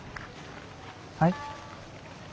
はい？